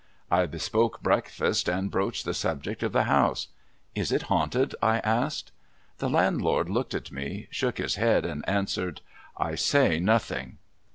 I bespoke breakfast, and broached the subject of the house. ' Is it haunted ?' I asked. The landlord looked at me, shook his head, and answered, ' I say nothing.'